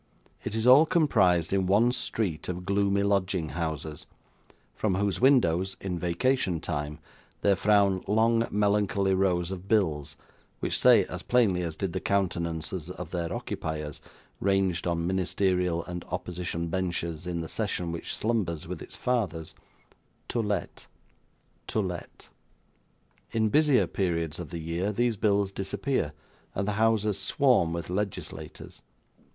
It is all comprised in one street of gloomy lodging houses, from whose windows, in vacation time, there frown long melancholy rows of bills, which say, as plainly as did the countenances of their occupiers, ranged on ministerial and opposition benches in the session which slumbers with its fathers, 'To Let', 'To Let'. In busier periods of the year these bills disappear, and the houses swarm with legislators.